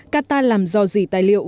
qatar làm do gì tài liệu